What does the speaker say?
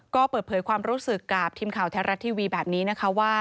ก็เปิดเผยความรู้สึกกับทีมข่าวแท้รัฐทีวีแบบนี้นะคะว่า